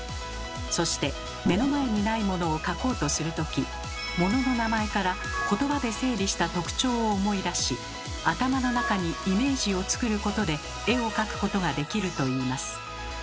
そして目の前にないものを描こうとする時ものの名前からことばで整理した特徴を思い出し頭の中にイメージを作ることで絵を描くことができるといいます。